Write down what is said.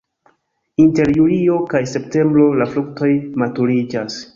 Inter julio kaj septembro la fruktoj maturiĝas.